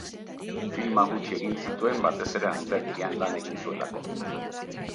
Filma gutxi egin zituen batez ere antzerkian lan egin zuelako.